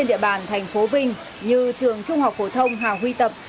vào sáu giờ sáng các điểm thi trên địa bàn tp vinh như trường trung học phổ thông hà huy tập